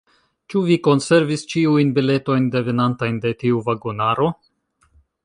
Ĉu vi konservis ĉiujn biletojn devenantajn de tiu vagonaro?